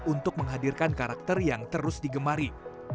untuk menghadirkan karakter yang terus digemari